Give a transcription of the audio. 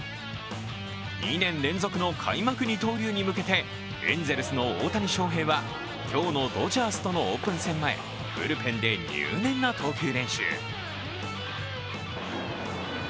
２年連続の開幕二刀流に向けてエンゼルスの大谷翔平は今日のドジャースとのオープン戦前、ブルペンで入念な投球練習。